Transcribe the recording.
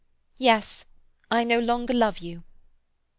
"Yes, I no longer love you."